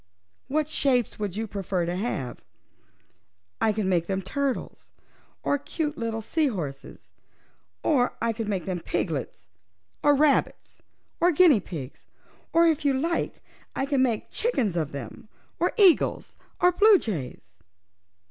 "What shapes would you prefer them to have? I can make them turtles, or cute little sea horses; or I could make them piglets, or rabbits, or guinea pigs; or, if you like I can make chickens of them, or eagles, or bluejays."